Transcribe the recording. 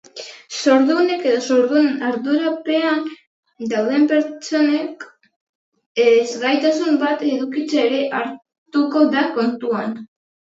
Zordunek edo zordunen ardurapean dauden pertsonek ezgaitasunen bat edukitzea ere hartuko da kontuan.